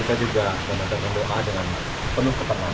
kita juga akan menantang doa dengan penuh keperluan